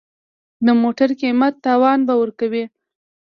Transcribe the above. د موټر قیمت تاوان به ورکوې.